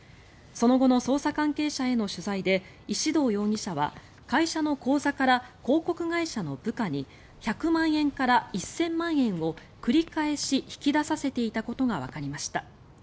その後の捜査関係者への取材で石動容疑者は会社の口座から広告会社の部下に１００万円から１０００万円を繰り返し引き出させていたことがわかりました。